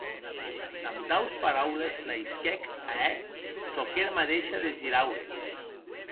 Damb taus paraules l’ahisquèc a hèr çò qu’era madeisha desiraue.